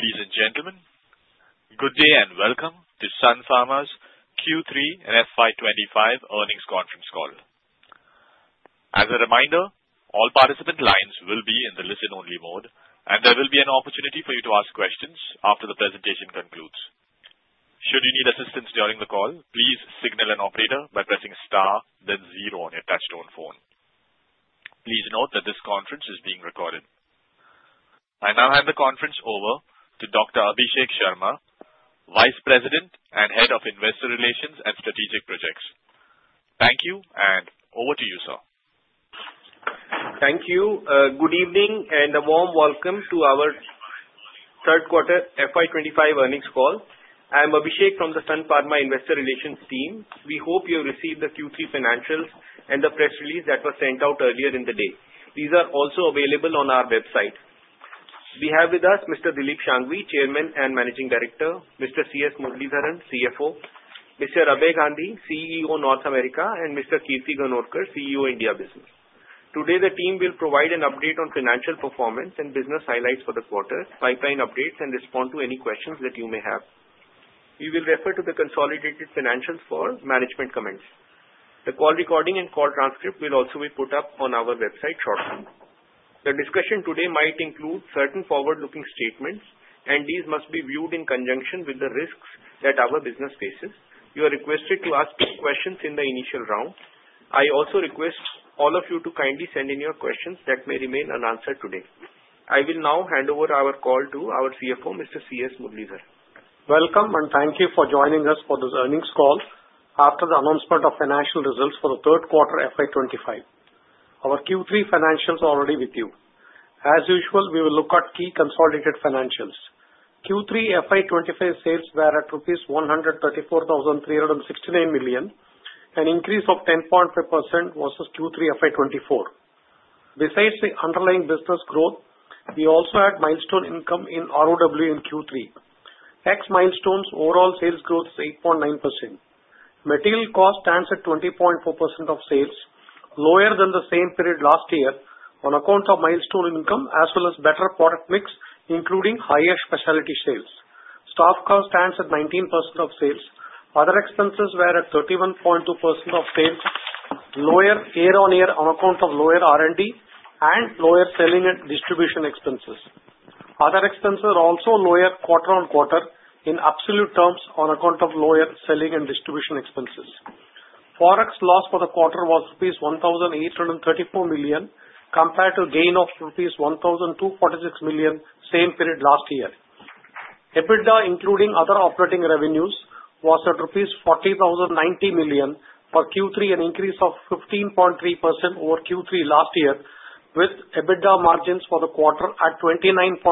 Ladies and gentlemen, good day and welcome to Sun Pharma's Q3 and FY25 Earnings Conference Call. As a reminder, all participant lines will be in the listen-only mode, and there will be an opportunity for you to ask questions after the presentation concludes. Should you need assistance during the call, please signal an operator by pressing star, then zero on your touch-tone phone. Please note that this conference is being recorded. I now hand the conference over to Dr. Abhishek Sharma, Vice President and Head of Investor Relations and Strategic Projects. Thank you, and over to you, sir. Thank you. Good evening and a warm welcome to our Third Quarter FY25 Earnings Call. I'm Abhishek from the Sun Pharma Investor Relations team. We hope you have received the Q3 financials and the press release that was sent out earlier in the day. These are also available on our website. We have with us Mr. Dilip Shanghvi, Chairman and Managing Director, Mr. C. S. Muralidharan, CFO, Mr. Abhay Gandhi, CEO North America, and Mr. Kirti Ganorkar, CEO India Business. Today, the team will provide an update on financial performance and business highlights for the quarter, pipeline updates, and respond to any questions that you may have. We will refer to the consolidated financials for management comments. The call recording and call transcript will also be put up on our website shortly. The discussion today might include certain forward-looking statements, and these must be viewed in conjunction with the risks that our business faces. You are requested to ask questions in the initial round. I also request all of you to kindly send in your questions that may remain unanswered today. I will now hand over our call to our CFO, Mr. C. S. Muralidharan. Welcome, and thank you for joining us for this Earnings Call after the announcement of Financial Results for the Third Quarter FY25. Our Q3 financials are already with you. As usual, we will look at key consolidated financials. Q3 FY25 sales were at rupees 134,369 million, an increase of 10.5% versus Q3 FY24. Besides the underlying business growth, we also had milestone income in ROW in Q3. Ex-milestones overall sales growth is 8.9%. Material cost stands at 20.4% of sales, lower than the same period last year on account of milestone income as well as better product mix, including higher specialty sales. Staff cost stands at 19% of sales. Other expenses were at 31.2% of sales, lower year-on-year on account of lower R&D and lower selling and distribution expenses. Other expenses are also lower quarter-on-quarter in absolute terms on account of lower selling and distribution expenses. ForEx loss for the quarter was INR 1,834 million compared to gain of INR 1,246 million same period last year. EBITDA, including other operating revenues, was at rupees 40,090 million for Q3, an increase of 15.3% over Q3 last year, with EBITDA margins for the quarter at 29.3%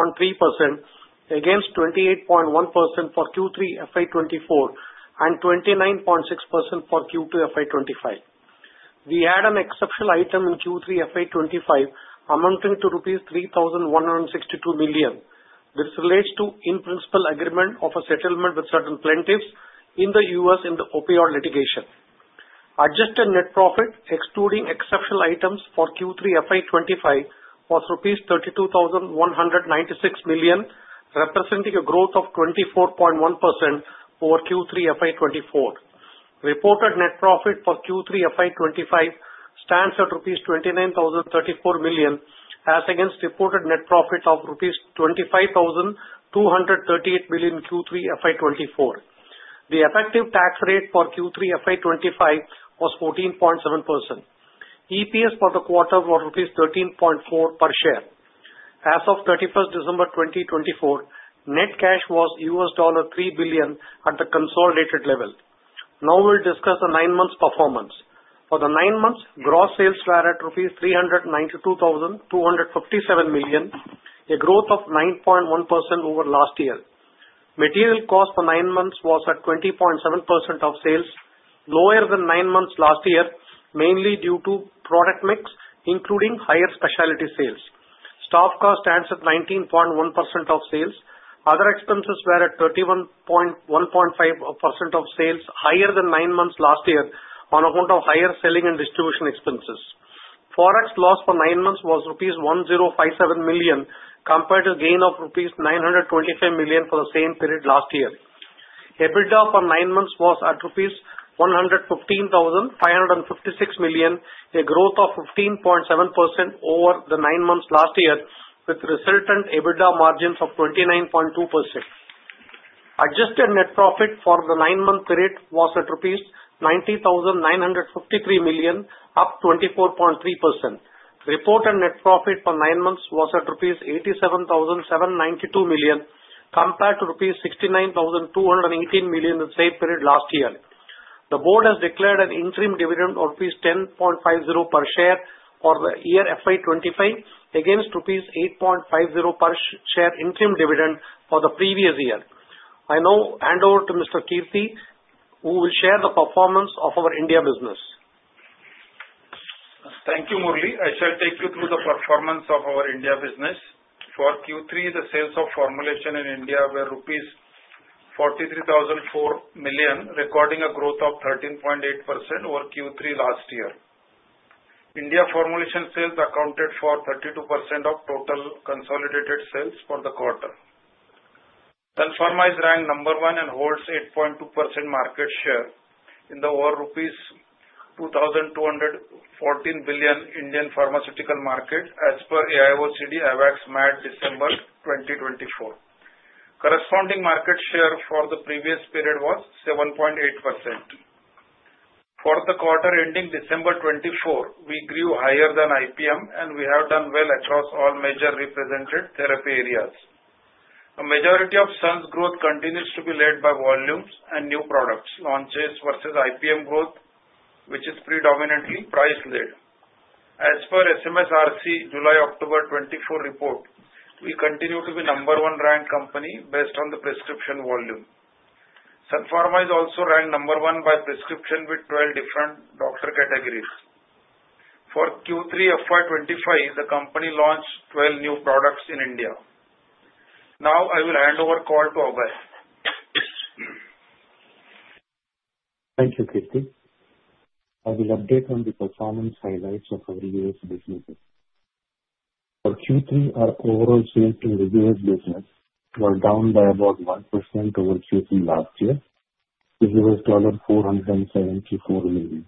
against 28.1% for Q3 FY24 and 29.6% for Q2 FY25. We had an exceptional item in Q3 FY25 amounting to rupees 3,162 million. This relates to in-principle agreement of a settlement with certain plaintiffs in the U.S. in the opioid litigation. Adjusted net profit, excluding exceptional items for Q3 FY25, was INR 32,196 million, representing a growth of 24.1% over Q3 FY24. Reported net profit for Q3 FY25 stands at rupees 29,034 million as against reported net profit of rupees 25,238 million Q3 FY24. The effective tax rate for Q3 FY25 was 14.7%. EPS for the quarter was rupees 13.4 per share. As of 31st December 2024, net cash was $3 billion at the consolidated level. Now we'll discuss the nine-month performance. For the nine months, gross sales were at rupees 392,257 million, a growth of 9.1% over last year. Material cost for nine months was at 20.7% of sales, lower than nine months last year, mainly due to product mix, including higher specialty sales. Staff cost stands at 19.1% of sales. Other expenses were at 31.5% of sales, higher than nine months last year on account of higher selling and distribution expenses. ForEx loss for nine months was rupees 1057 million compared to gain of rupees 925 million for the same period last year. EBITDA for nine months was at rupees 115,556 million, a growth of 15.7% over the nine months last year, with resultant EBITDA margins of 29.2%. Adjusted net profit for the nine-month period was at rupees 90,953 million, up 24.3%. Reported net profit for nine months was at rupees 87,792 million compared to rupees 69,218 million the same period last year. The board has declared an interim dividend of rupees 10.50 per share for the year FY25 against rupees 8.50 per share interim dividend for the previous year. I now hand over to Mr. Kirti, who will share the performance of our India business. Thank you, Murali. I shall take you through the performance of our India business. For Q3, the sales of formulation in India were rupees 43,004 million, recording a growth of 13.8% over Q3 last year. India formulation sales accounted for 32% of total consolidated sales for the quarter. Sun Pharma is ranked number one and holds 8.2% market share in the rupees 2,214 billion Indian pharmaceutical market as per AIOCD AWACS December 2024. Corresponding market share for the previous period was 7.8%. For the quarter ending December 2024, we grew higher than IPM, and we have done well across all major represented therapy areas. A majority of Sun's growth continues to be led by volumes and new products launches versus IPM growth, which is predominantly price-led. As per SMSRC July-October 2024 report, we continue to be number one ranked company based on the prescription volume. Sun Pharma is also ranked number one by prescription with 12 different doctor categories. For Q3 FY25, the company launched 12 new products in India. Now I will hand over call to Abhay. Thank you, Kirti. I will update on the performance highlights of our US businesses. For Q3, our overall sales in the US business were down by about 1% over Q3 last year, to $474 million.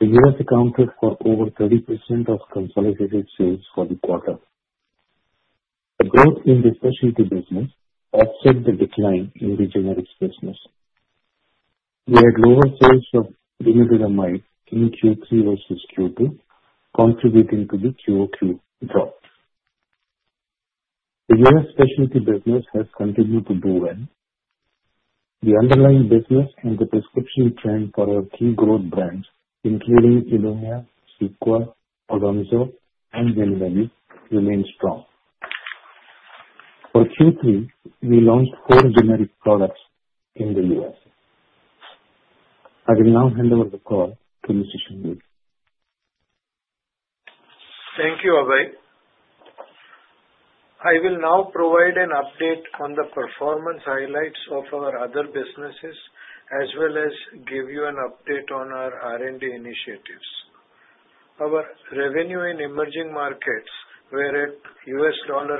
The US accounted for over 30% of consolidated sales for the quarter. The growth in the specialty business offset the decline in the generics business. We had lower sales of temozolomide in Q3 versus Q2, contributing to the QOQ drop. The US specialty business has continued to do well. The underlying business and the prescription trend for our key growth brands, including Ilumya, Cequa, Odomzo, and Winlevi, remains strong. For Q3, we launched four generic products in the US. I will now hand over the call to Mr. Shanghvi. Thank you, Abhay. I will now provide an update on the performance highlights of our other businesses, as well as give you an update on our R&D initiatives. Our revenue in emerging markets were at $277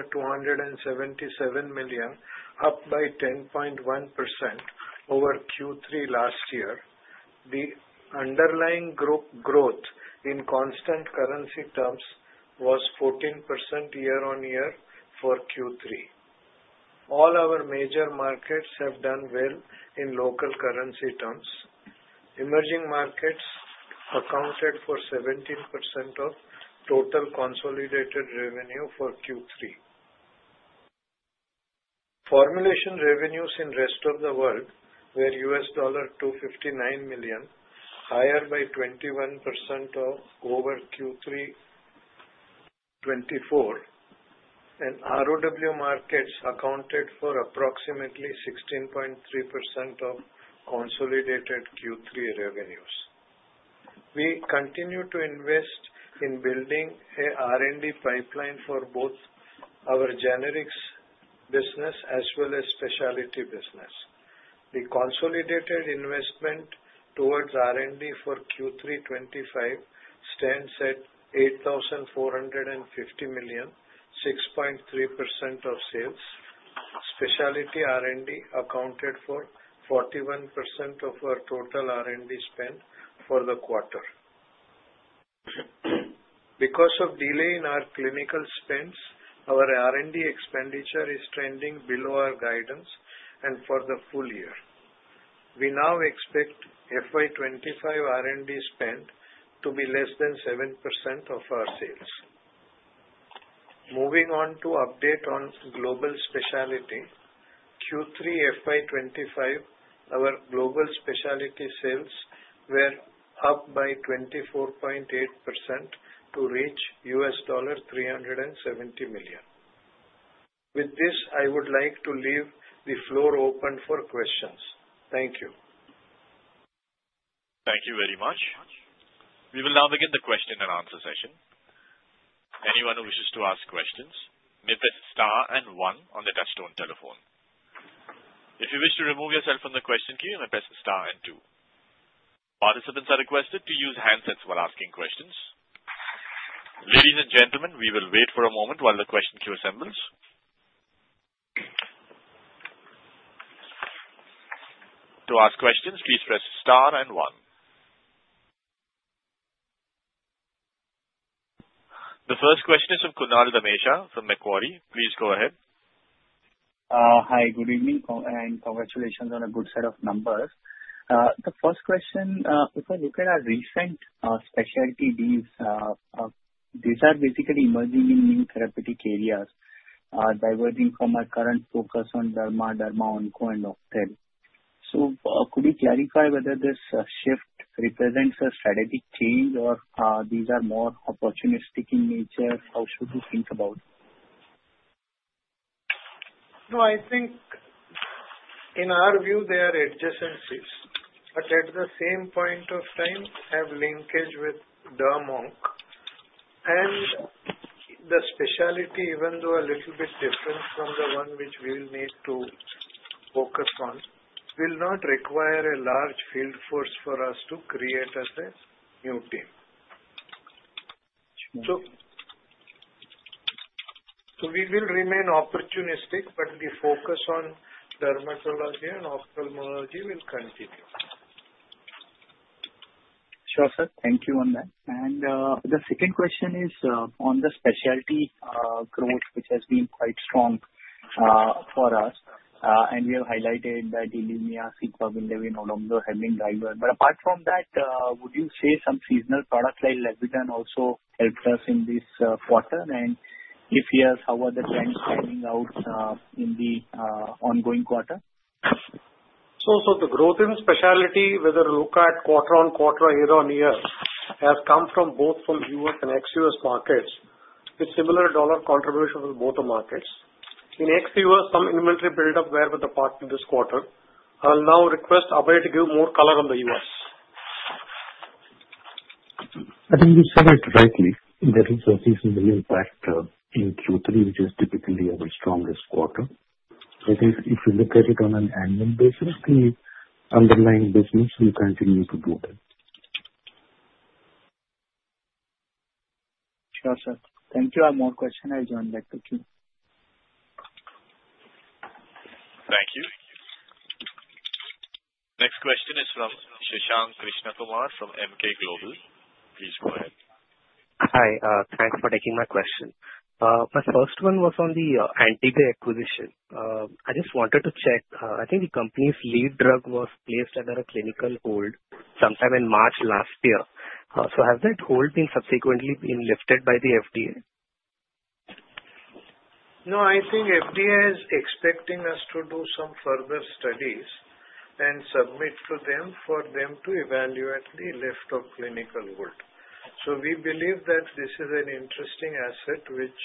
million, up by 10.1% over Q3 last year. The underlying growth in constant currency terms was 14% year-on-year for Q3. All our major markets have done well in local currency terms. Emerging markets accounted for 17% of total consolidated revenue for Q3. Formulation revenues in the rest of the world were $259 million, higher by 21% over Q3 2024, and ROW markets accounted for approximately 16.3% of consolidated Q3 revenues. We continue to invest in building an R&D pipeline for both our generics business as well as specialty business. The consolidated investment towards R&D for Q3 2025 stands at 8,450 million, 6.3% of sales. Specialty R&D accounted for 41% of our total R&D spend for the quarter. Because of delay in our clinical spends, our R&D expenditure is trending below our guidance for the full year. We now expect FY25 R&D spend to be less than 7% of our sales. Moving on to update on global specialty, Q3 FY25, our global specialty sales were up by 24.8% to reach $370 million. With this, I would like to leave the floor open for questions. Thank you. Thank you very much. We will now begin the Q&A session. Anyone who wishes to ask questions, may press star and one on the touch-tone telephone. If you wish to remove yourself from the question queue, may press star and two. Participants are requested to use handsets while asking questions. Ladies and gentlemen, we will wait for a moment while the question queue assembles. To ask questions, please press star and one. The first question is from Kunal Damesha from Macquarie. Please go ahead. Hi, good evening, and congratulations on a good set of numbers. The first question, if I look at our recent specialty deals, these are basically emerging in new therapeutic areas, diverging from our current focus on derma, derma onco, and novel. So could you clarify whether this shift represents a strategic change, or these are more opportunistic in nature? How should we think about it? No, I think in our view, they are adjacencies, but at the same point of time, have linkage with dermo-onco. And the specialty, even though a little bit different from the one which we will need to focus on, will not require a large field force for us to create as a new team. So we will remain opportunistic, but the focus on dermatology and ophthalmology will continue. Sure, sir. Thank you on that. And the second question is on the specialty growth, which has been quite strong for us, and we have highlighted that Ilumya, Cequa, Winlevi, and Odomzo have delivered. But apart from that, would you say some seasonal products like Levulan also helped us in this quarter? And if yes, how are the trends playing out in the ongoing quarter? So the growth in specialty, whether looked at quarter-on-quarter, year-on-year, has come from both U.S. and ex-U.S. markets. It's similar dollar contribution for both the markets. In ex-U.S., some inventory buildup there with the partner this quarter. I'll now request Abhay to give more color on the U.S. I think you said it rightly that it's a seasonal impact in Q3, which is typically our strongest quarter. I think if you look at it on an annual basis, the underlying business will continue to do well. Sure, sir. Thank you. I have more questions. I'll join back to Q. Thank you. Next question is from Shashank Krishnakumar from Emkay Global Financial Services. Please go ahead. Hi, thanks for taking my question. My first one was on the Antibe acquisition. I just wanted to check. I think the company's lead drug was placed under a clinical hold sometime in March last year. So has that hold been subsequently lifted by the FDA? No, I think FDA is expecting us to do some further studies and submit to them for them to evaluate the lift of clinical hold. So we believe that this is an interesting asset, which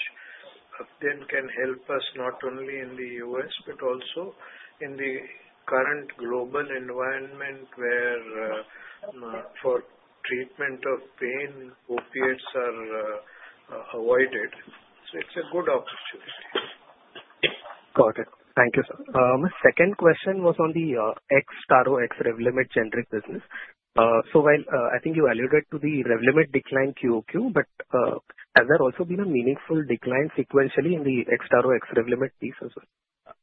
then can help us not only in the U.S., but also in the current global environment where for treatment of pain, opiates are avoided. So it's a good opportunity. Got it. Thank you, sir. My second question was on the ex-Taro, ex-Revlimid generic business, so while I think you alluded to the Revlimid decline QOQ, but has there also been a meaningful decline sequentially in the ex-Taro, ex-Revlimid piece as well?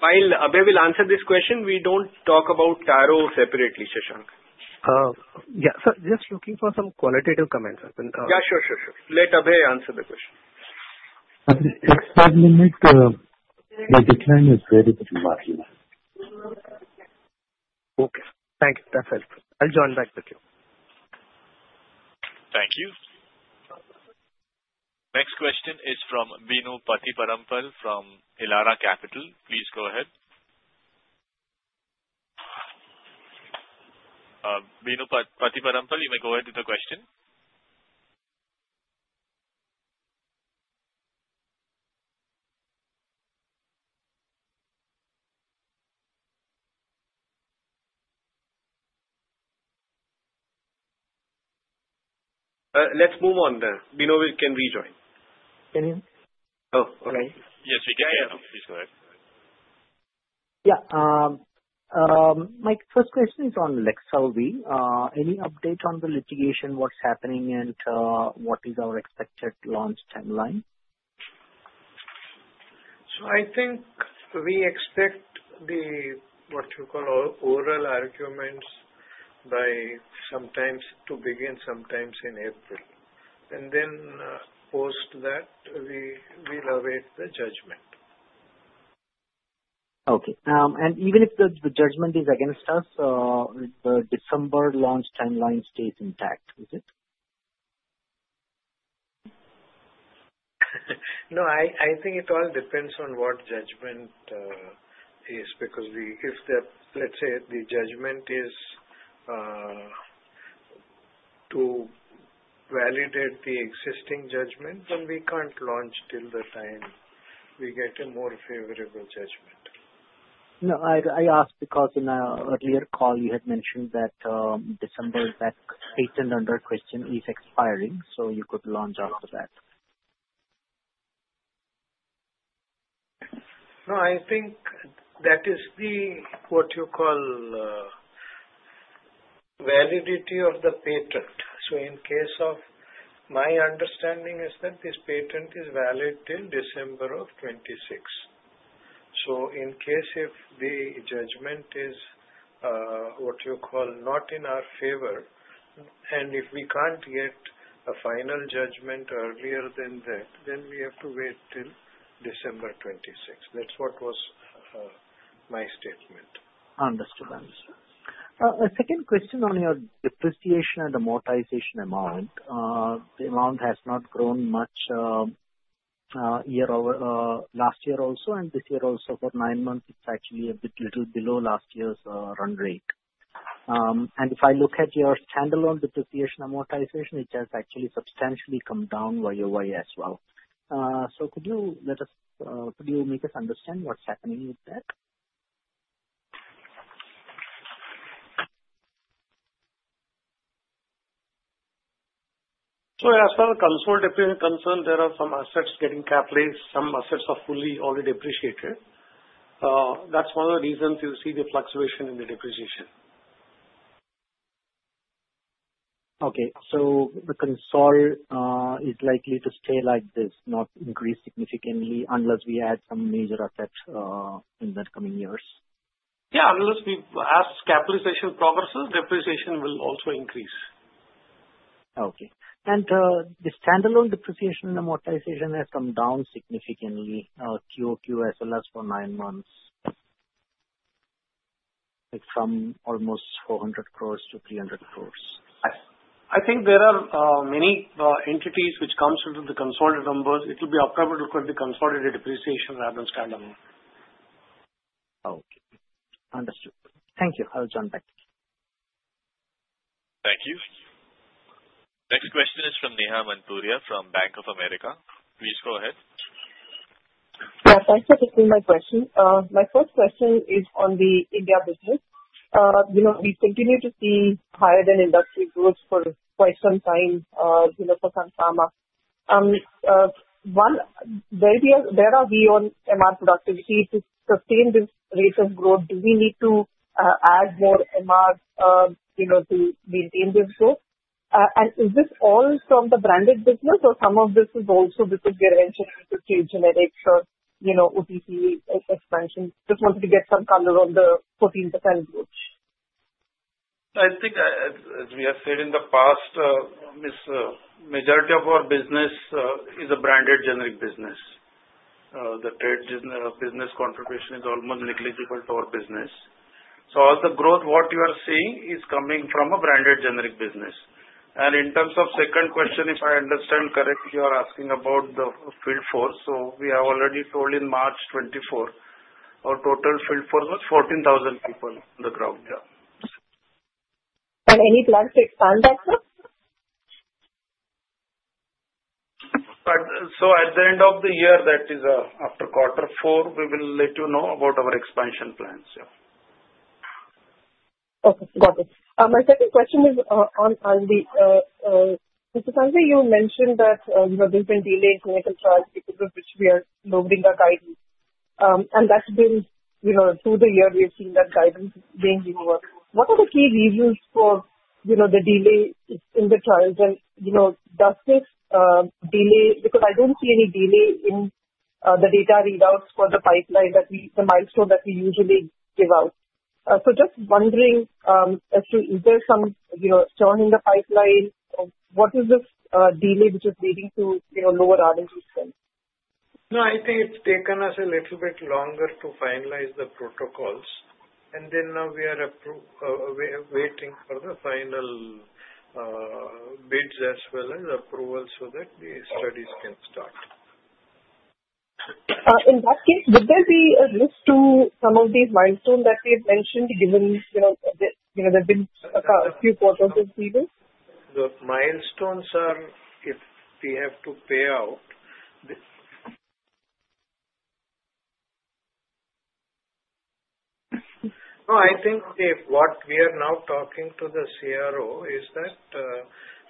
While Abhay will answer this question, we don't talk about Taro separately, Shashank. Yeah, so just looking for some qualitative comments. Yeah, sure, sure, sure. Let Abhay answer the question. ex-Revlimid, the decline is very remarkable. Okay. Thank you. That's helpful. I'll join back to Q. Thank you. Next question is from Binu Pathiparampil from Elara Capital. Please go ahead. Binu Pathiparampil, you may go ahead with the question. Let's move on then. Binu can rejoin. Can you? Oh, okay. Yes, we can. Please go ahead. Yeah. My first question is on Leqselvi. Any update on the litigation, what's happening, and what is our expected launch timeline? So I think we expect the, what you call, oral arguments by sometime to begin sometime in April. And then post that, we'll await the judgment. Okay. And even if the judgment is against us, the December launch timeline stays intact, is it? No, I think it all depends on what judgment is, because if the, let's say, the judgment is to validate the existing judgment, then we can't launch till the time we get a more favorable judgment. No, I asked because in our earlier call, you had mentioned that December patent under question is expiring, so you could launch after that. No, I think that is the, what you call, validity of the patent. So in case of my understanding is that this patent is valid till December of 2026. So in case if the judgment is, what you call, not in our favor, and if we can't get a final judgment earlier than that, then we have to wait till December 2026. That's what was my statement. Understood. Understood. A second question on your depreciation and amortization amount. The amount has not grown much last year also, and this year also for nine months, it's actually a bit little below last year's run rate. And if I look at your standalone depreciation amortization, it has actually substantially come down YOY as well. So could you let us, could you make us understand what's happening with that? As per the consensus, if you're concerned, there are some assets getting capitalized late. Some assets are fully already depreciated. That's one of the reasons you see the fluctuation in the depreciation. Okay. So the consolidated is likely to stay like this, not increase significantly unless we add some major assets in the coming years? Yeah, unless CapEx progresses, depreciation will also increase. Okay. And the standalone depreciation amortization has come down significantly, QOQ as well as for nine months, from almost 400 crores to 300 crores. I think there are many entities which come through the consolidated numbers. It will be up to the consolidated depreciation rather than standalone. Okay. Understood. Thank you. I'll join back. Thank you. Next question is from Neha Manpuria from Bank of America. Please go ahead. Yes, I can take my question. My first question is on the India business. We continue to see higher than industry growth for quite some time for some pharma. Where are we on MR productivity to sustain this rate of growth? Do we need to add more MR to maintain this growth? And is this all from the branded business, or some of this is also because we are entering into generics or OTC expansion? Just wanted to get some color on the 14% growth. I think, as we have said in the past, majority of our business is a branded generic business. The trade business contribution is almost negligible to our business. So all the growth, what you are seeing, is coming from a branded generic business. And in terms of second question, if I understand correctly, you are asking about the field force. So we have already told in March 2024, our total field force was 14,000 people on the ground. Any plans to expand that, sir? At the end of the year, that is after quarter four, we will let you know about our expansion plans. Okay. Got it. My second question is on the, Mr. Shanghvi. You mentioned that there's been delay in clinical trials because of which we are lowering the guidance. And that's been through the year. We've seen that guidance being lowered. What are the key reasons for the delay in the trials? And does this delay, because I don't see any delay in the data readouts for the pipeline, the milestone that we usually give out. So just wondering, is there some churn in the pipeline? What is this delay which is leading to lower R&D spend? No, I think it's taken us a little bit longer to finalize the protocols. And then now we are waiting for the final bids as well as approvals so that the studies can start. In that case, would there be a risk to some of these milestones that we've mentioned given there have been a few quarters of delay? The milestones are, if we have to pay out. No, I think what we are now talking to the CRO is that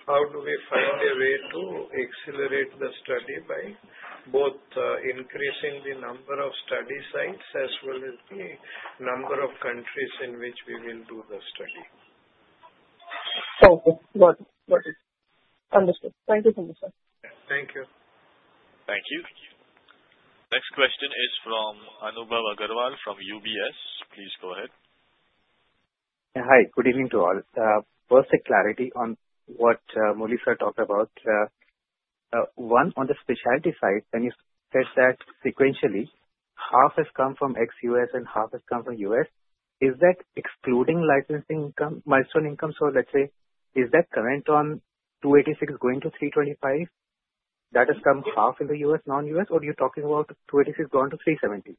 how do we find a way to accelerate the study by both increasing the number of study sites as well as the number of countries in which we will do the study. Okay. Got it. Understood. Thank you so much, sir. Thank you. Thank you. Next question is from Anubhav Agarwal from UBS. Please go ahead. Hi. Good evening to all. First, a clarity on what Murali sir talked about. One, on the specialty side, when you said that sequentially half has come from ex-US and half has come from US, is that excluding licensing income, milestone income? So let's say, is that current on 286 going to 325? That has come half in the US, non-US, or you're talking about 286 going to 370?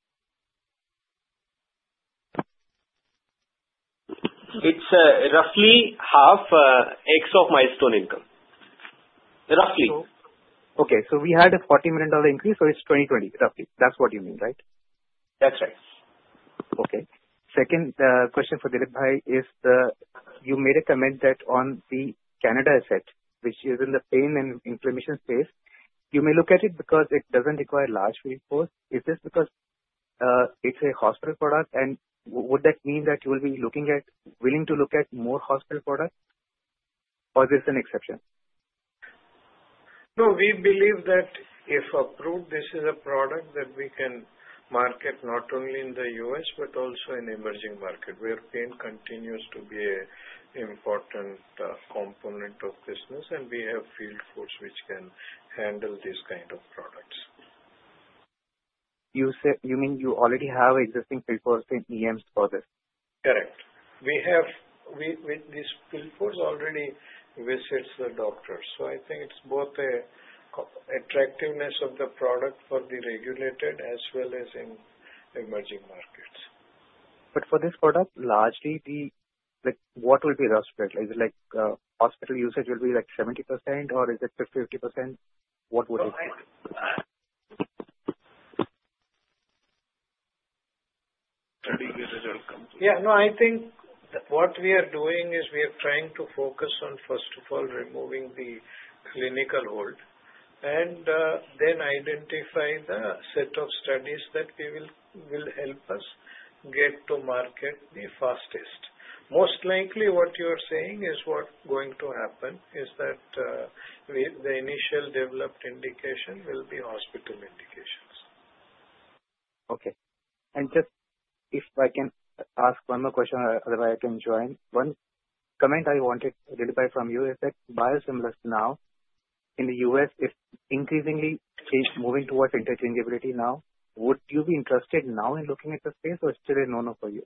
It's roughly half, ex of milestone income. Roughly. Okay. So we had a $40 million increase, so it's 2020, roughly. That's what you mean, right? That's right. Okay. Second question for Dilip Bhai is you made a comment that on the Canada asset, which is in the pain and inflammation space, you may look at it because it doesn't require large field force. Is this because it's a hospital product? And would that mean that you will be willing to look at more hospital products, or is this an exception? No, we believe that if approved, this is a product that we can market not only in the U.S., but also in emerging market, where pain continues to be an important component of business, and we have field force which can handle these kind of products. You mean you already have existing field force in EMs for this? Correct. With this field force, already visits the doctors. So I think it's both the attractiveness of the product for the regulated as well as in emerging markets. But for this product, largely, what will be the hospital? Is it like hospital usage will be like 70%, or is it 50%? What would it be? Study usage will come to. Yeah. No, I think what we are doing is we are trying to focus on, first of all, removing the clinical hold, and then identify the set of studies that will help us get to market the fastest. Most likely, what you are saying is what's going to happen is that the initial developed indication will be hospital indications. Okay. And just if I can ask one more question, otherwise I can join. One comment I wanted to identify from you is that biosimilars now in the U.S., if increasingly moving towards interchangeability now, would you be interested now in looking at the space, or is it still a no-no for you?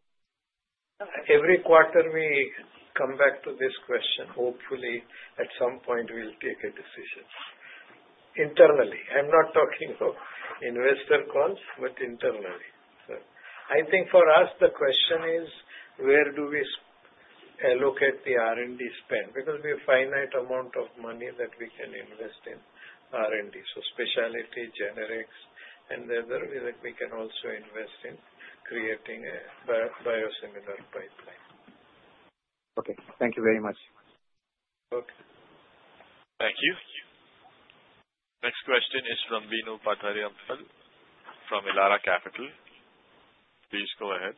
Every quarter, we come back to this question. Hopefully, at some point, we'll take a decision internally. I'm not talking about investor calls, but internally. So I think for us, the question is, where do we allocate the R&D spend? Because we have a finite amount of money that we can invest in R&D. So specialty, generics, and the other we can also invest in creating a biosimilar pipeline. Okay. Thank you very much. Okay. Thank you. Next question is from Binu Pathiparampil from Elara Capital. Please go ahead.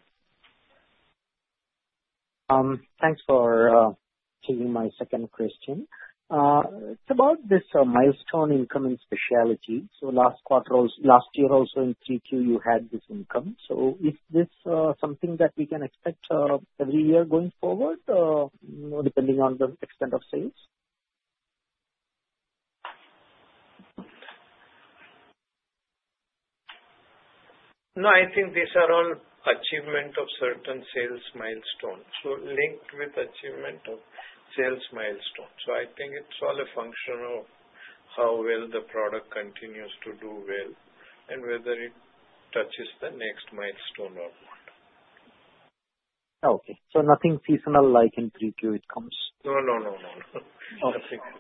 Thanks for taking my second question. It's about this milestone income and specialty. So last year also in Q3, you had this income. So is this something that we can expect every year going forward, depending on the extent of sales? No, I think these are all achievement of certain sales milestones, so linked with achievement of sales milestones. So I think it's all a function of how well the product continues to do well and whether it touches the next milestone or not. Okay. So nothing seasonal like in Q3 it comes? No, no, no, no, no. Nothing. Okay.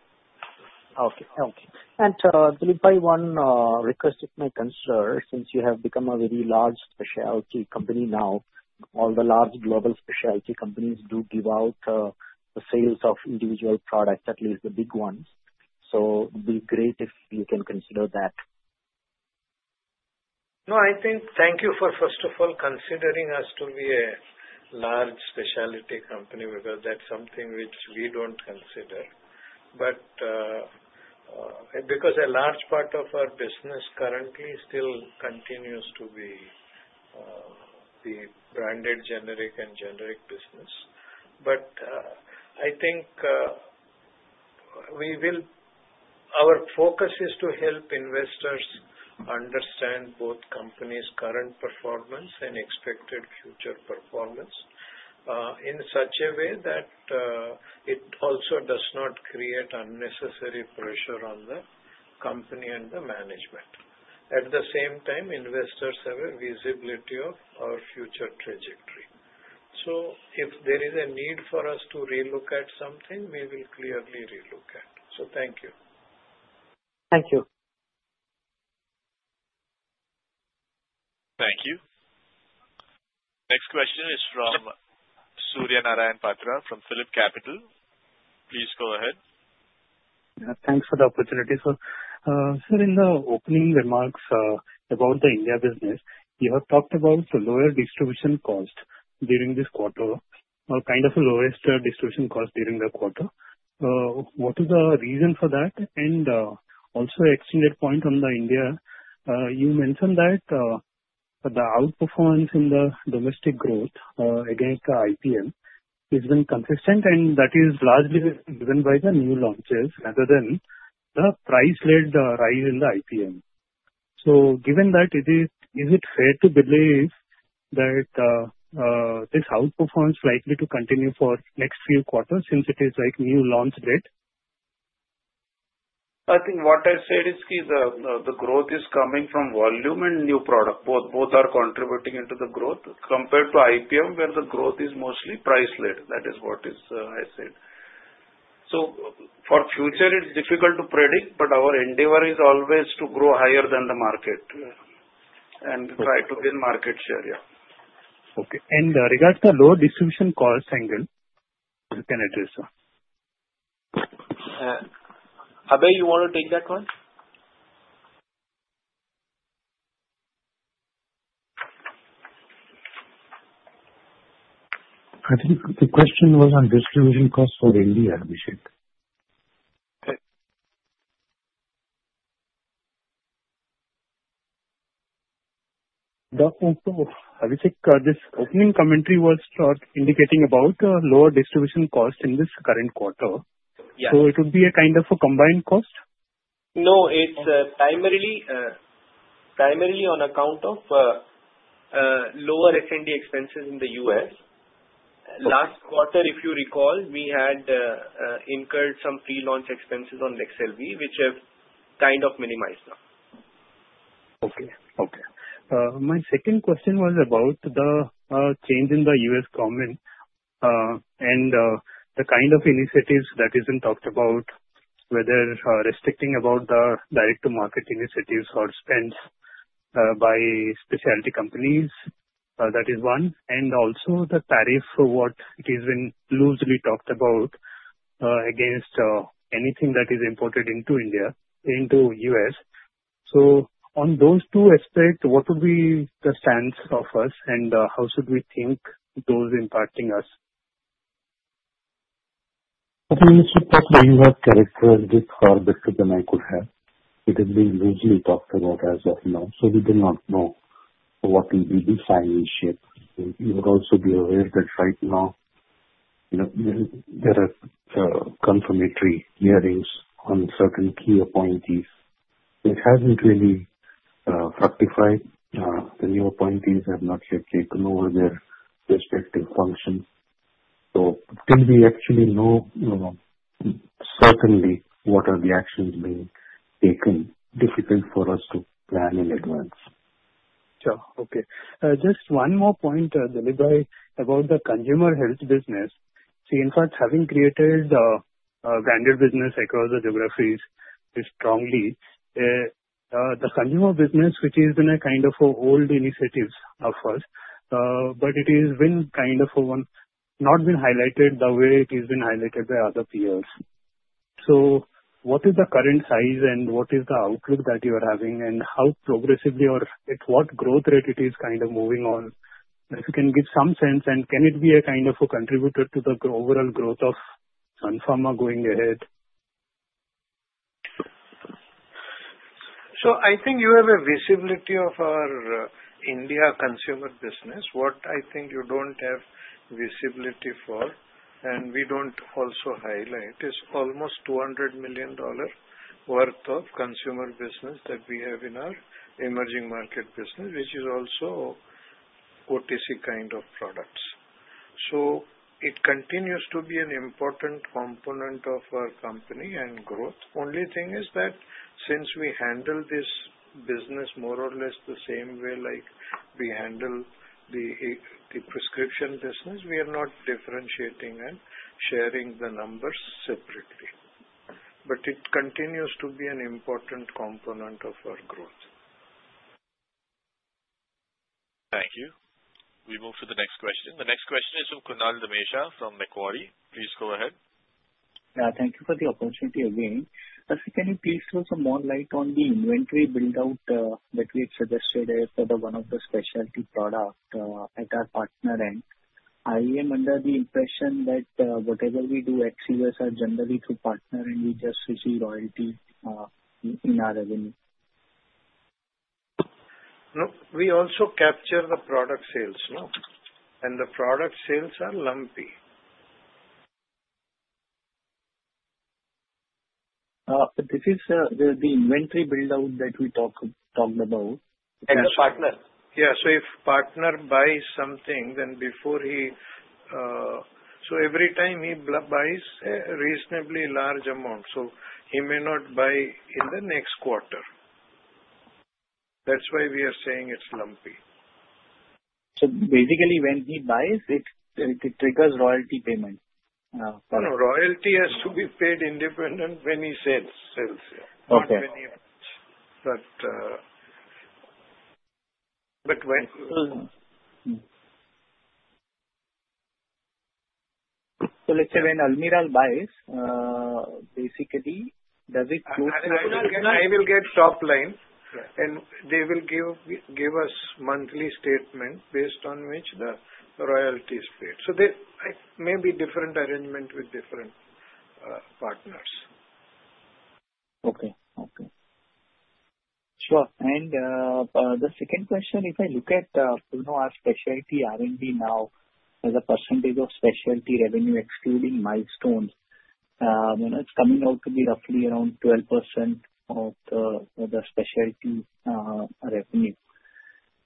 Okay. And Dilip Bhai, one request of my concern, since you have become a very large specialty company now, all the large global specialty companies do give out the sales of individual products, at least the big ones. So it would be great if you can consider that. No, I think, thank you for, first of all, considering us to be a large specialty company because that's something which we don't consider, but because a large part of our business currently still continues to be the branded generic and generic business, but I think, we will, our focus is to help investors understand both company's current performance and expected future performance in such a way that it also does not create unnecessary pressure on the company and the management. At the same time, investors have a visibility of our future trajectory, so if there is a need for us to relook at something, we will clearly relook at it, so thank you. Thank you. Thank you. Next question is from Suryanarayan Patra from PhillipCapital. Please go ahead. Thanks for the opportunity. So in the opening remarks about the India business, you have talked about the lower distribution cost during this quarter, kind of a lowest distribution cost during the quarter. What is the reason for that? And also extended point on the India, you mentioned that the outperformance in the domestic growth against the IPM has been consistent, and that is largely driven by the new launches rather than the price-led rise in the IPM. So given that, is it fair to believe that this outperformance is likely to continue for the next few quarters since it is like new launch date? I think what I said is the growth is coming from volume and new product. Both are contributing into the growth compared to IPM, where the growth is mostly price-led. That is what I said. So for future, it's difficult to predict, but our endeavor is always to grow higher than the market and try to gain market share. Yeah. Okay. And regarding the lower distribution cost angle, you can address. Abhay, you want to take that one? I think the question was on distribution cost for India, Abhishek. Abhishek, this opening commentary was indicating about lower distribution cost in this current quarter. So it would be a kind of a combined cost? No, it's primarily on account of lower R&D expenses in the U.S. Last quarter, if you recall, we had incurred some pre-launch expenses on Winlevi, which have kind of minimized now. Okay. Okay. My second question was about the change in the U.S. government and the kind of initiatives that isn't talked about, whether restricting about the direct-to-market initiatives or spends by specialty companies. That is one. And also the tariff, what it has been loosely talked about against anything that is imported into India, into U.S. So on those two aspects, what would be the stance of us, and how should we think those impacting us? Okay. Mr. Patra, you have characterized this that I could have. It has been loosely talked about as of now. So we do not know what will be the final shape. You would also be aware that right now, there are confirmatory hearings on certain key appointees. It hasn't really fructified. The new appointees have not yet taken over their respective functions. So till we actually know certainly what are the actions being taken, it's difficult for us to plan in advance. Sure. Okay. Just one more point, Dilip Bhai, about the consumer health business. See, in fact, having created a branded business across the geographies strongly, the consumer business, which has been a kind of old initiative of us, but it has been kind of not been highlighted the way it has been highlighted by other peers. So what is the current size and what is the outlook that you are having, and how progressively, or at what growth rate it is kind of moving on? If you can give some sense, and can it be a kind of a contributor to the overall growth of Sun Pharma going ahead? So I think you have a visibility of our India consumer business. What I think you don't have visibility for, and we don't also highlight, is almost $200 million worth of consumer business that we have in our emerging market business, which is also OTC kind of products. So it continues to be an important component of our company and growth. Only thing is that since we handle this business more or less the same way like we handle the prescription business, we are not differentiating and sharing the numbers separately. But it continues to be an important component of our growth. Thank you. We move to the next question. The next question is from Kunal Damesha from Macquarie. Please go ahead. Thank you for the opportunity again. Can you please throw some more light on the inventory build-out that we had suggested as one of the specialty products at our partner end? I am under the impression that whatever we do at CSR generally through partner end, we just receive royalty in our revenue. No, we also capture the product sales, no? And the product sales are lumpy. This is the inventory build-out that we talked about. And the partner. Yeah. So if partner buys something, then before he—so every time he buys a reasonably large amount, so he may not buy in the next quarter. That's why we are saying it's lumpy. So basically, when he buys, it triggers royalty payment? No, no. Royalty has to be paid independently when he sells. Sells, yeah. But when- Let's say when Almirall buys, basically, does it go through? I will get top line, and they will give us monthly statements based on which the royalty is paid. So it may be different arrangement with different partners. Okay. Okay. Sure. And the second question, if I look at our specialty R&D now, there's a percentage of specialty revenue excluding milestones. It's coming out to be roughly around 12% of the specialty revenue.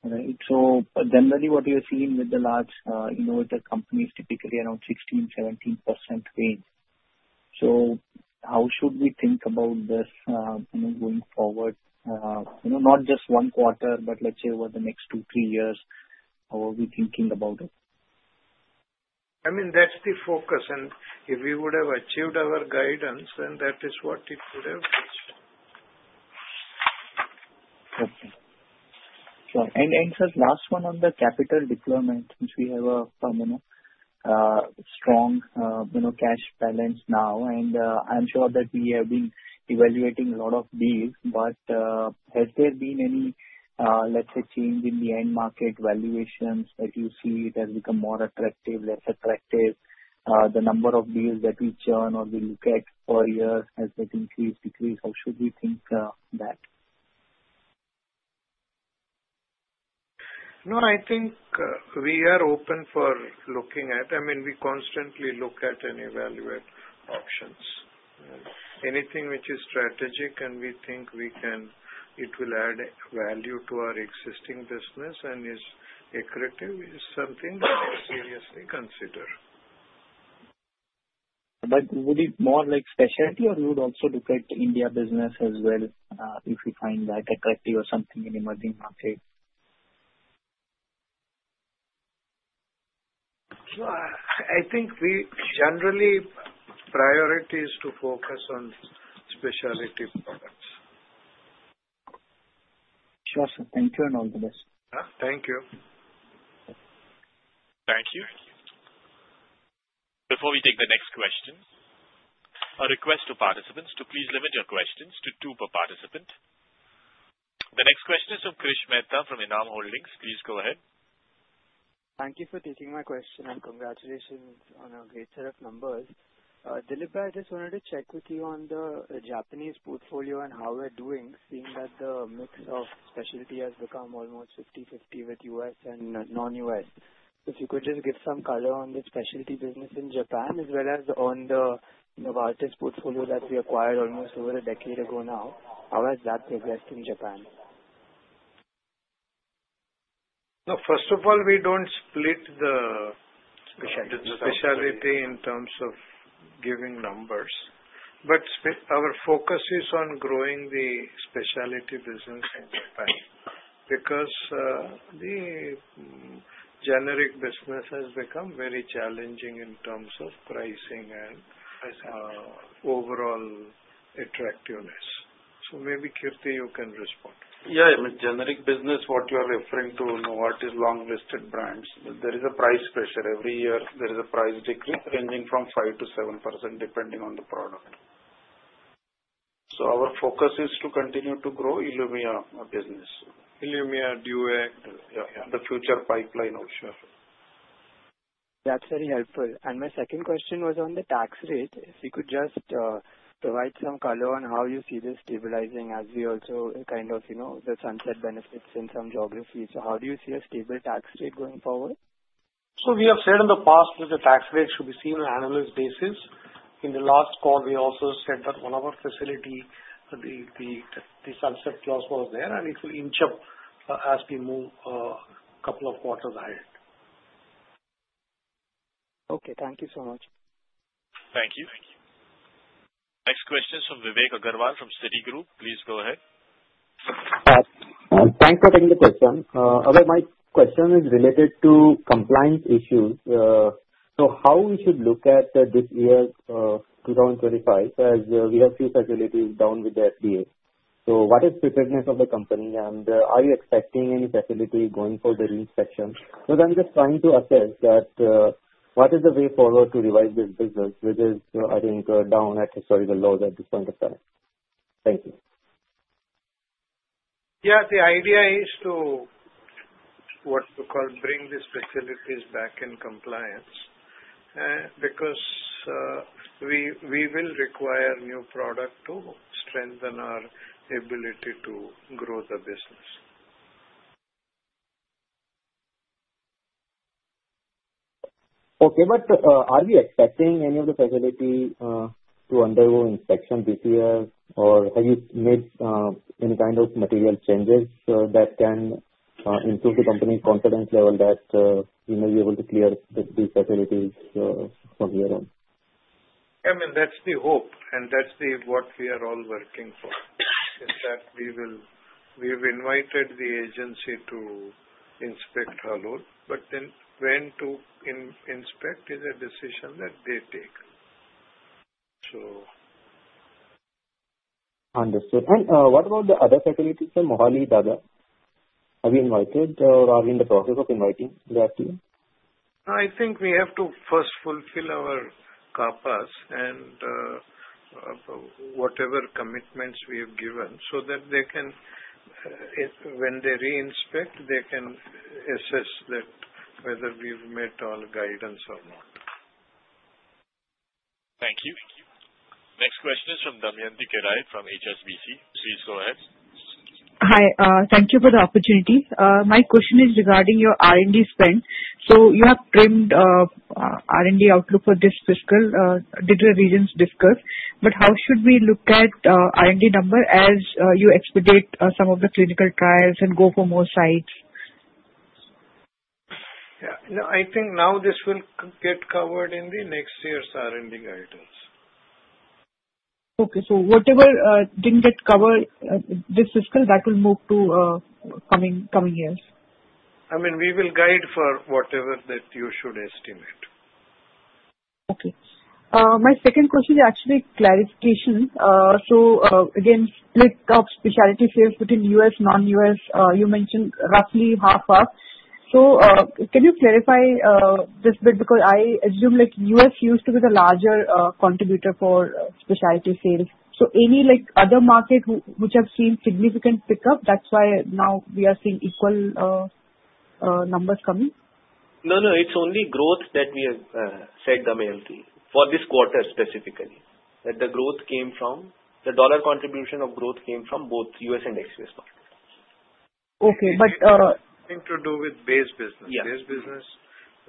Right? So generally, what we have seen with the large innovative companies is typically around 16%, 17% gain. So how should we think about this going forward? Not just one quarter, but let's say over the next two, three years, how are we thinking about it? I mean, that's the focus. And if we would have achieved our guidance, then that is what it would have reached. Okay. Sure. And last one on the capital deployment, since we have a strong cash balance now, and I'm sure that we have been evaluating a lot of deals, but has there been any, let's say, change in the end market valuations that you see it has become more attractive, less attractive? The number of deals that we churn or we look at per year has increased, decreased. How should we think that? No, I think we are open for looking at, I mean, we constantly look at and evaluate options. Anything which is strategic and we think it will add value to our existing business and is accretive is something that we seriously consider. But would it be more like specialty, or you would also look at India business as well if you find that attractive or something in emerging market? I think generally, priority is to focus on specialty products. Sure. Thank you, and all the best. Thank you. Thank you. Before we take the next question, a request to participants to please limit your questions to two per participant. The next question is from Krish Mehta from Enam Holdings. Please go ahead. Thank you for taking my question, and congratulations on a great set of numbers. Dilip Bhai, I just wanted to check with you on the Japanese portfolio and how we're doing, seeing that the mix of specialty has become almost 50/50 with U.S. and non-U.S. If you could just give some color on the specialty business in Japan as well as on the Novartis portfolio that we acquired almost over a decade ago now, how has that progressed in Japan? No, first of all, we don't split the specialty in terms of giving numbers, but our focus is on growing the specialty business in Japan because the generic business has become very challenging in terms of pricing and overall attractiveness, so maybe, Kirti, you can respond. Yeah. Generic business, what you are referring to, Novartis long-listed brands, there is a price pressure. Every year, there is a price decrease ranging from 5% to 7% depending on the product, so our focus is to continue to grow Ilumya business. Ilumya, Cequa, the future pipeline also. That's very helpful, and my second question was on the tax rate. If you could just provide some color on how you see this stabilizing as we also kind of the sunset benefits in some geographies, so how do you see a stable tax rate going forward? So we have said in the past that the tax rate should be seen on an annual basis. In the last call, we also said that one of our facilities, the sunset clause was there, and it will inch up as we move a couple of quarters ahead. Okay. Thank you so much. Thank you. Next question is from Vivek Agarwal from Citigroup. Please go ahead. Thanks for taking the question. My question is related to compliance issues. So how we should look at this year, 2025, as we have a few facilities down with the FDA? So what is the preparedness of the company, and are you expecting any facility going for the reinspection? Because I'm just trying to assess that what is the way forward to revive this business, which is, I think, down at historical lows at this point of time? Thank you. Yeah. The idea is to, what we call, bring the facilities back in compliance because we, we will require new product to strengthen our ability to grow the business. Okay, but are we expecting any of the facilities to undergo inspection this year, or have you made any kind of material changes that can improve the company's confidence level that you may be able to clear these facilities from here on? I mean, that's the hope, and that's what we are all working for, is that we have invited the agency to inspect our Halol, but then when to inspect is a decision that they take, so. Understood. And what about the other facilities in Mohali, Dadra? Have you invited, or are you in the process of inviting that team? I think we have to first fulfill our CAPAs and whatever commitments we have given so that they can, when they reinspect, they can assess that whether we've met all guidance or not. Thank you. Next question is from Damayanti Kerai from HSBC. Please go ahead. Hi. Thank you for the opportunity. My question is regarding your R&D spend, so you have trimmed R&D outlook for this fiscal year in the regions discussed, but how should we look at R&D number as you expedite some of the clinical trials and go for more sites? Yeah. No, I think now this will get covered in the next year's R&D guidance. Okay. So whatever didn't get covered this fiscal, that will move to coming years? I mean, we will guide for whatever that you should estimate. Okay. My second question is actually clarification. So again, split of specialty sales between U.S., non-U.S., you mentioned roughly half-half. So can you clarify this bit? Because I assume U.S. used to be the larger contributor for specialty sales. So any other market which have seen significant pickup? That's why now we are seeing equal numbers coming? No, no. It's only growth that we have said, Damayanti, for this quarter specifically, that the growth came from the dollar contribution of growth came from both U.S. and ex-U.S. markets. Okay. But. It has nothing to do with base business. Base business,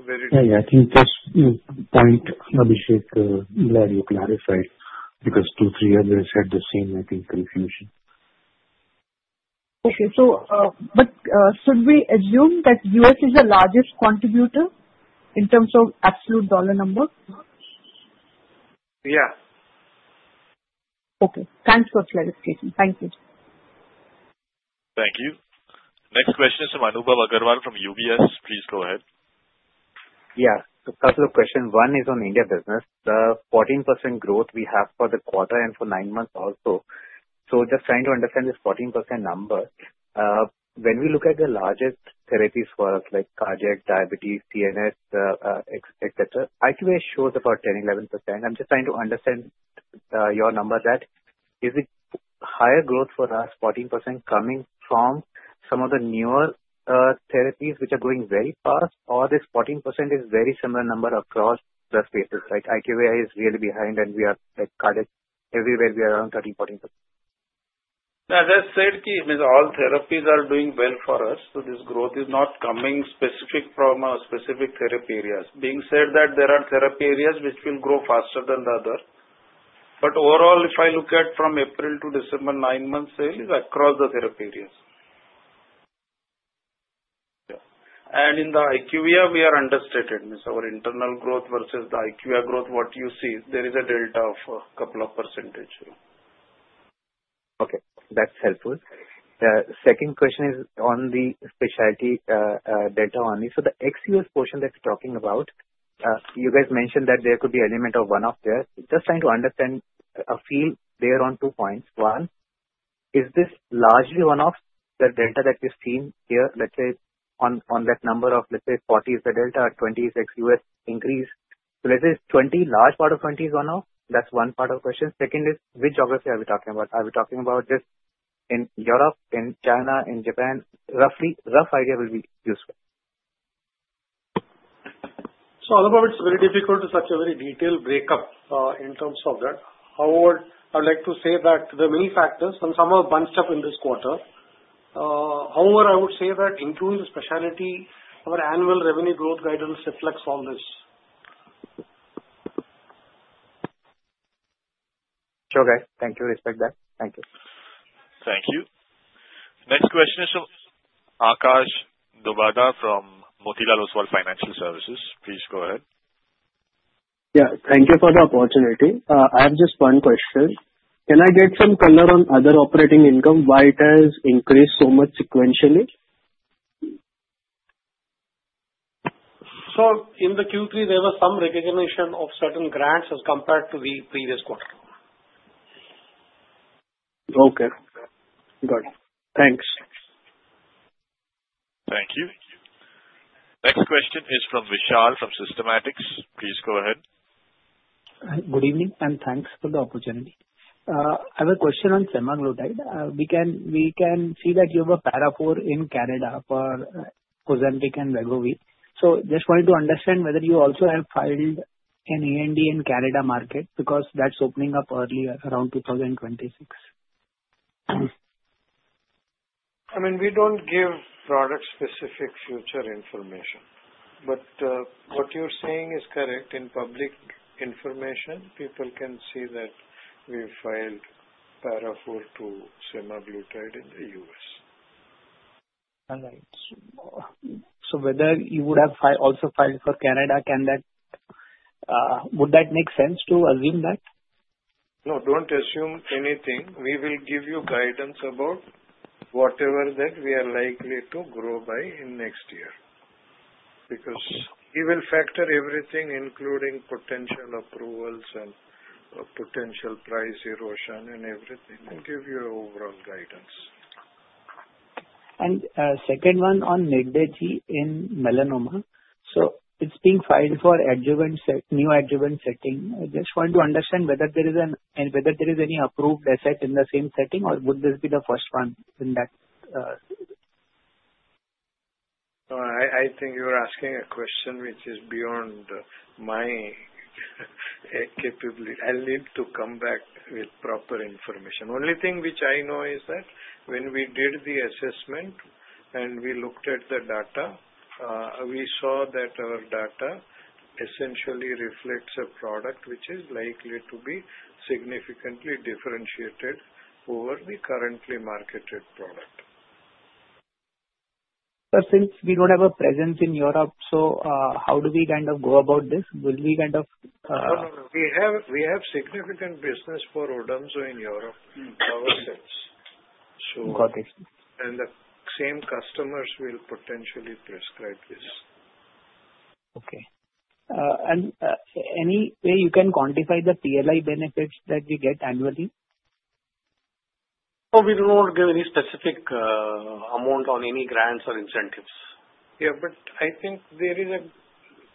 very little. Yeah. Yeah. I think just point, Abhishek. Glad you clarified because two, three years has had the same, I think, confusion. Okay. But should we assume that U.S. is the largest contributor in terms of absolute dollar number? Yeah. Okay. Thanks for clarification. Thank you. Thank you. Next question is from Anubhav Agarwal from UBS. Please go ahead. Yeah. So couple of questions. One is on India business. The 14% growth we have for the quarter and for nine months also. So just trying to understand this 14% number. When we look at the largest therapies for us like cardiac, diabetes, CNS, etc., IQVIA shows about 10%-11%. I'm just trying to understand your number that is it higher growth for us, 14%, coming from some of the newer therapies which are going very fast, or this 14% is very similar number across the spaces, right? IQVIA is really behind, and we are cardiac everywhere. We are around 13%-14%. As I said, all therapies are doing well for us, so this growth is not coming specifically from a specific therapy area. That being said, there are therapy areas which will grow faster than the other. But overall, if I look at from April to December, nine months' sale is across the therapy areas. And in the IQVIA, we are understated. It's our internal growth versus the IQVIA growth. What you see, there is a delta of a couple of percentage. Okay. That's helpful. The second question is on the specialty data only. So the ex-US portion that you're talking about, you guys mentioned that there could be element of one-off there. Just trying to understand, I feel there are two points. One, is this largely one-off the delta that we've seen here? Let's say on that number of, let's say, 40 is the delta, 20 is ex-US increase. So let's say 20, large part of 20 is one-off. That's one part of the question. Second is, which geography are we talking about? Are we talking about just in Europe, in China, in Japan? Rough idea will be useful. So, all of it's very difficult to such a very detailed breakup in terms of that. However, I would like to say that there are many factors, and some are bunched up in this quarter. However, I would say that including the Specialty, our annual revenue growth guidance reflects all this. Okay. Thank you. Respect that. Thank you. Thank you. Next question is from Akash Buaria from Motilal Oswal Financial Services. Please go ahead. Yeah. Thank you for the opportunity. I have just one question. Can I get some color on other operating income, why it has increased so much sequentially? So in the Q3, there was some recognition of certain grants as compared to the previous quarter. Okay. Good. Thanks. Thank you. Next question is from Vishal from Systematix. Please go ahead. Good evening, and thanks for the opportunity. I have a question on semaglutide. We can see that you have a Paragraph IV in Canada for Ozempic and Wegovy. So just wanted to understand whether you also have filed an ANDA in Canada market because that's opening up earlier around 2026. I mean, we don't give product-specific future information. But what you're saying is correct. In public information, people can see that we filed Paragraph IV to semaglutide in the U.S. All right. So whether you would have also filed for Canada, would that make sense to assume that? No, don't assume anything. We will give you guidance about whatever that we are likely to grow by in next year because we will factor everything, including potential approvals and potential price erosion and everything, and give you overall guidance. Second one on Nidlegy in melanoma. It's being filed for neo-adjuvant setting. I just want to understand whether there is any approved asset in the same setting, or would this be the first one in that? No, I think you are asking a question which is beyond my capability. I'll need to come back with proper information. Only thing which I know is that when we did the assessment and we looked at the data, we saw that our data essentially reflects a product which is likely to be significantly differentiated over the currently marketed product. But since we don't have a presence in Europe, so how do we kind of go about this? Will we kind of? No, no, no. We have significant business for Odomzo in Europe ourselves. Got it. The same customers will potentially prescribe this. Okay, and any way you can quantify the PLI benefits that we get annually? Oh, we do not give any specific amount on any grants or incentives. Yeah. But I think there is a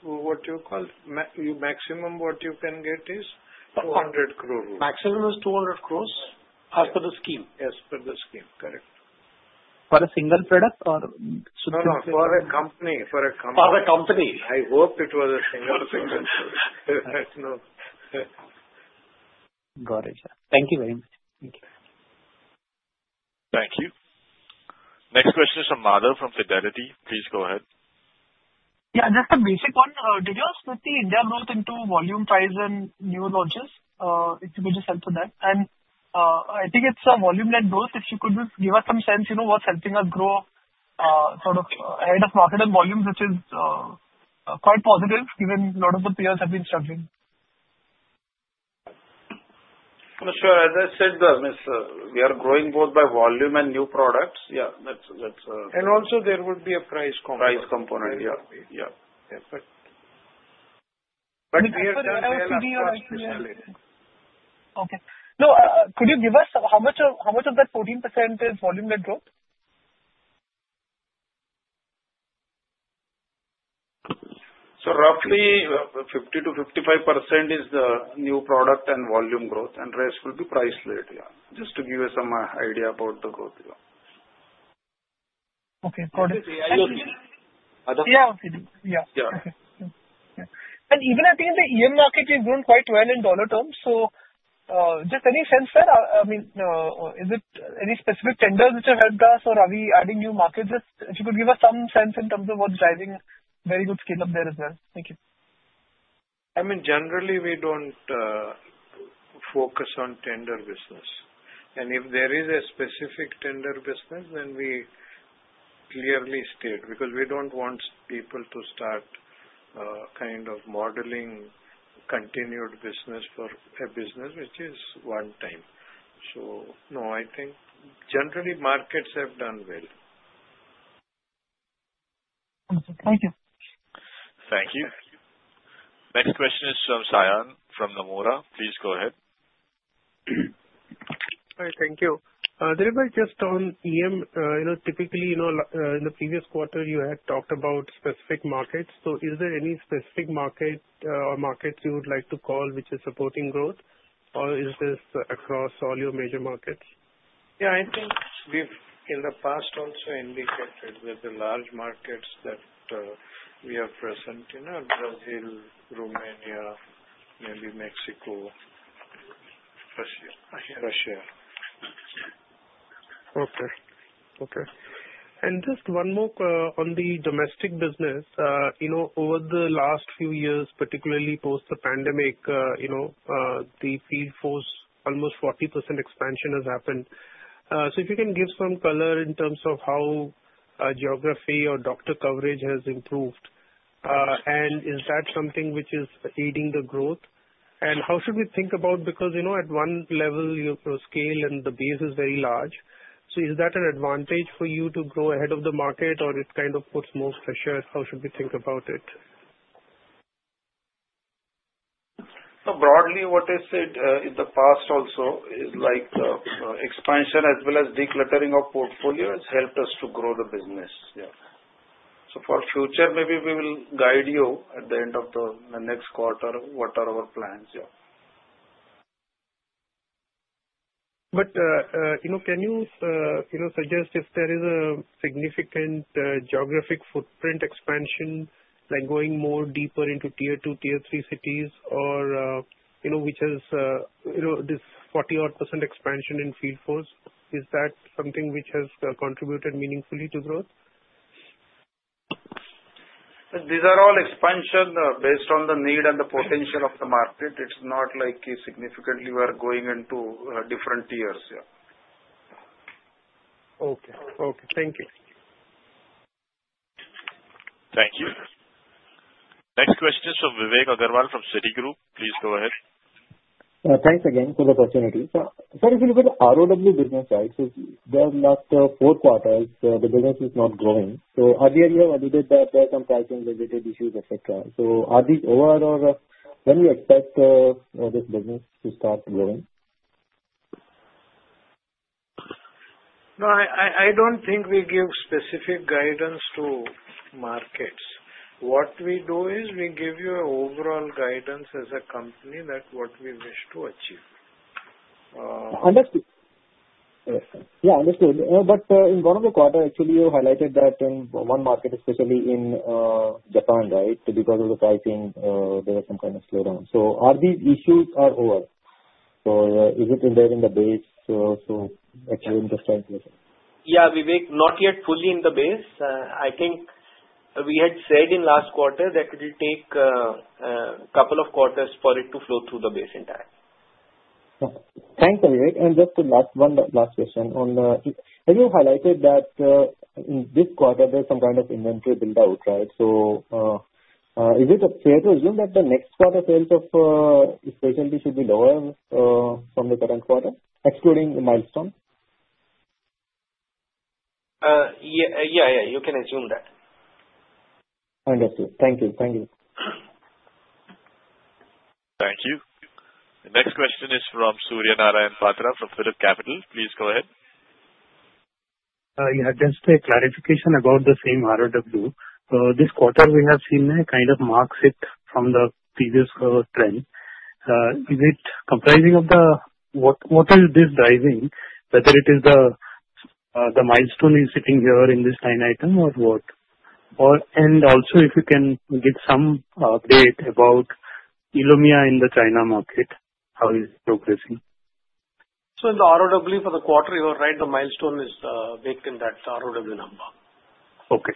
what you call maximum you can get is. 200 crores. Maximum is 200 crores as per the scheme? Yes, per the scheme. Correct. For a single product or? No, for a company. For a company. I hope it was a single product. Got it. Thank you very much. Thank you. Thank you. Next question is from Madhav from Fidelity. Please go ahead. Yeah. Just a basic one. Did you ask what the India growth into volume price and new launches? It would be just helpful that. And I think it's a volume-led growth. If you could give us some sense what's helping us grow sort of ahead of market and volume, which is quite positive given a lot of the peers have been struggling. Sure. As I said, we are growing both by volume and new products. Yeah. That's. Also there would be a price component. Price component. Yeah. Yeah. But we are definitely struggling. Okay. No, could you give us how much of that 14% is volume-led growth? So roughly 50%-55% is the new product and volume growth, and rest will be price-led. Yeah. Just to give you some idea about the growth. Okay. Got it. Yeah. Yeah. Okay. Yeah. Okay. And even I think the EM market is doing quite well in dollar terms. So just any sense there? I mean, is it any specific tenders which have helped us, or are we adding new markets? If you could give us some sense in terms of what's driving very good scale-up there as well. Thank you. I mean, generally, we don't focus on tender business. And if there is a specific tender business, then we clearly state because we don't want people to start kind of modeling continued business for a business which is one-time. So no, I think generally markets have done well. Thank you. Thank you. Next question is from Saion from Nomura. Please go ahead. All right. Thank you. Dilipbhai, just on EM, typically in the previous quarter, you had talked about specific markets. So is there any specific market or markets you would like to call which is supporting growth, or is this across all your major markets? Yeah. I think in the past also indicated that the large markets that we are present in are Brazil, Romania, maybe Mexico, Russia. Okay. Okay. And just one more on the domestic business. You know, over the last few years, particularly post the pandemic, you know, the field force almost 40% expansion has happened. So if you can give some color in terms of how geography or doctor coverage has improved, and is that something which is aiding the growth? And how should we think about because at one level, your scale and the base is very large. So is that an advantage for you to grow ahead of the market, or it kind of puts more pressure? How should we think about it? So broadly, what I said in the past also is expansion as well as decluttering of portfolio has helped us to grow the business. Yeah. So for future, maybe we will guide you at the end of the next quarter what are our plans. But can you suggest if there is a significant geographic footprint expansion, like going more deeper into tier two, tier three cities, or which has this 40-odd% expansion in field force? Is that something which has contributed meaningfully to growth? These are all expansion based on the need and the potential of the market. It's not like significantly we are going into different tiers. Okay. Okay. Thank you. Thank you. Next question is from Vivek Agarwal from Citigroup. Please go ahead. Thanks again for the opportunity. So if you look at the ROW business side, so in the last four quarters, the business is not growing. So earlier you have alluded that there are some pricing-related issues, etc. So are these over, or when do you expect this business to start growing? No, I don't think we give specific guidance to markets. What we do is we give you an overall guidance as a company that what we wish to achieve. Understood. Yeah, understood. But in one of the quarters, actually, you highlighted that in one market, especially in Japan, right? Because of the pricing, there was some kind of slowdown. So are these issues over? So is it there in the base? So actually, I'm just trying to assess. Yeah, Vivek, not yet fully in the base. I think we had said in last quarter that it will take a couple of quarters for it to flow through the base in time. Okay. Thanks, Dilip. And just one last question. You highlighted that in this quarter, there's some kind of inventory buildout, right? So is it fair to assume that the next quarter sales of specialty should be lower from the current quarter, excluding the milestone? Yeah. Yeah. You can assume that. Understood. Thank you. Thank you. Thank you. The next question is from Suryanarayan Patra from PhillipCapital. Please go ahead. Yeah. Just a clarification about the same ROW. This quarter, we have seen a kind of markup from the previous trend. Is it comprising of the what is this driving? Whether it is the milestone sitting here in this line item or what? And also, if you can give some update about Ilumya in the China market, how is it progressing? So in the ROW for the quarter, you are right. The milestone is baked in that ROW number. Okay.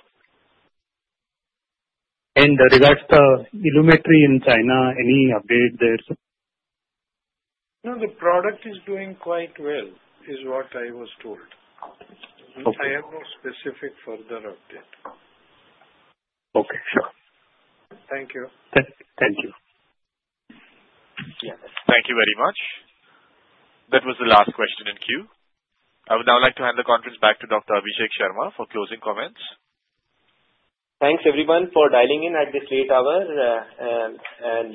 And regards to Ilumya in China, any update there? No, the product is doing quite well, is what I was told. I have no specific further update. Okay. Sure. Thank you. Thank you. Thank you very much. That was the last question in queue. I would now like to hand the conference back to Dr. Abhishek Sharma for closing comments. Thanks, everyone, for dialing in at this late hour and and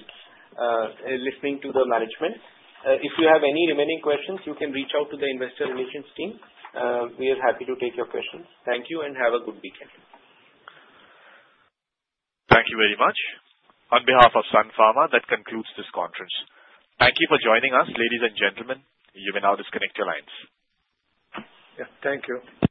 and listening to the management. If you have any remaining questions, you can reach out to the investor relations team. We are happy to take your questions. Thank you and have a good weekend. Thank you very much. On behalf of Sun Pharma, that concludes this conference. Thank you for joining us, ladies and gentlemen. You may now disconnect your lines. Yeah. Thank you.